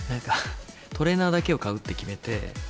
トレーナーだけを買うって決めて。